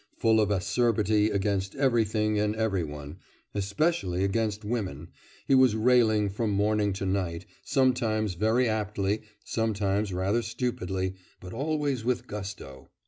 Full of acerbity against everything and every one especially against women he was railing from morning to night, sometimes very aptly, sometimes rather stupidly, but always with gusto.